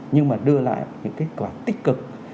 nhưng mà đưa lại những kết quả tích cực